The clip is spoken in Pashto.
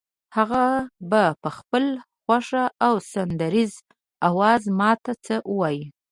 هغه به په خپل خوږ او سندریزه آواز ماته څه ووایي.